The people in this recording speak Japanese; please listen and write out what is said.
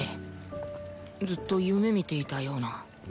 ずっと夢見ていたような。